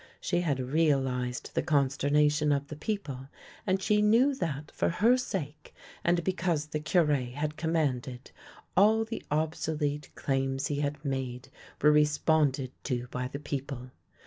She had realised the consternation of the people, and she THE LANE THAT HAD NO TURNING 39 knew that, for her sake, and because the Cure had com manded, all the obsolete claims he had made were re sponded to by the people.